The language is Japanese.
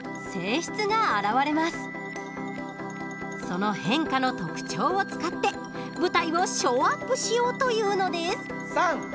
その変化の特徴を使って舞台をショーアップしようというのです。